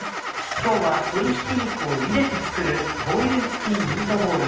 今日は鶏ひき肉をゆでて作る「ボイルチキンミートボール」。